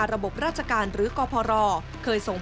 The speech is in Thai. ซึ่งกลางปีนี้ผลการประเมินการทำงานขององค์การมหาชนปี๒ประสิทธิภาพสูงสุด